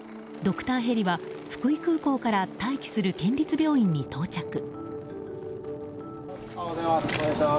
ドクターヘリは福井空港から待機する県立病院に到着。